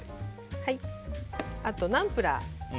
あと、ナンプラー。